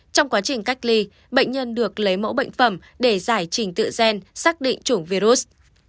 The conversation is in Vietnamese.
trong quá trình cách ly bệnh nhân được lấy mẫu bệnh phẩm để giải trình tự gen xác định chủng virus